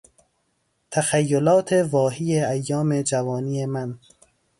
تخیلات واهی ایام جوانی من